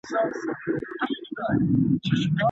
لرګي په اوبو کي نه خرابیږي.